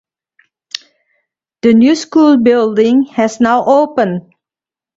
The new school building has now opened.